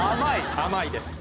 ・甘いです。